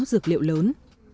giữ dược liệu lớn